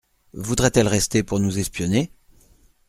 Voudrait-elle rester pour nous espionner ?